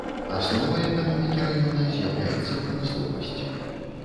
Асновай эканомікі раёна з'яўляецца прамысловасць.